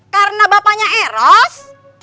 karena bapaknya eros